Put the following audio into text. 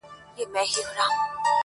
ويل باز به وي حتماً خطا وتلى!!